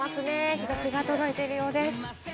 日差しが届いているようです。